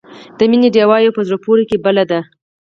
د مینې ډیوه یې په زړونو کې بله ده.